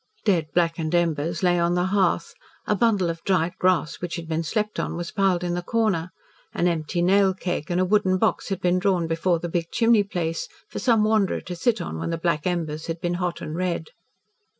Dead, blackened embers lay on the hearth, a bundle of dried grass which had been slept on was piled in the corner, an empty nail keg and a wooden box had been drawn before the big chimney place for some wanderer to sit on when the black embers had been hot and red.